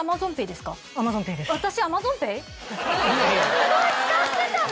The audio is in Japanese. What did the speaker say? すごい使ってたの？